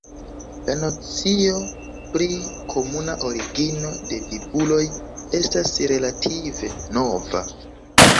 La nocio pri komuna origino de la vivuloj estas relative nova.